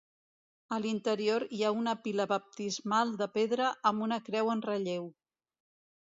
A l'interior hi ha una pila baptismal de pedra amb una creu en relleu.